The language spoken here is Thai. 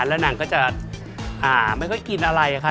แล้วนางก็จะไม่ค่อยกินอะไรค่ะ